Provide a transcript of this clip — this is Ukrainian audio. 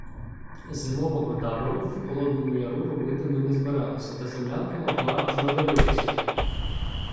Зимового табору в Холодному Яру робити ми не збиралися, та землянка могла знадобитися.